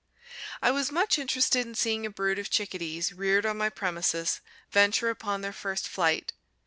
I was much interested in seeing a brood of chickadees, reared on my premises, venture upon their first flight.